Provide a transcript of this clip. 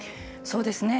そうですね。